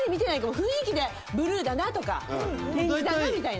「雰囲気でブルーだなとかオレンジだなみたいな」